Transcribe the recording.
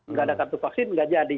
tidak ada kartu vaksin tidak jadi